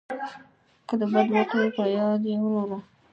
که د بد وکړل په یاد یې ولره .